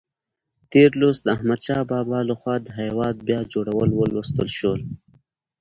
تېر لوست د احمدشاه بابا لخوا د هېواد بیا جوړول ولوستل شول.